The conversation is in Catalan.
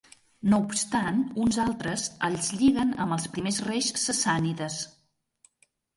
No obstant uns altres els lliguen amb els primers reis sassànides.